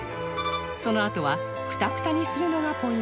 そのあとはくたくたにするのがポイントです